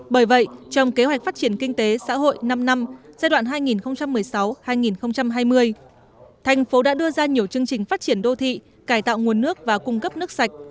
bởi vậy trong kế hoạch phát triển kinh tế xã hội năm năm giai đoạn hai nghìn một mươi sáu hai nghìn hai mươi thành phố đã đưa ra nhiều chương trình phát triển đô thị cải tạo nguồn nước và cung cấp nước sạch